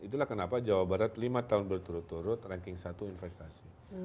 itulah kenapa jawa barat lima tahun berturut turut ranking satu investasi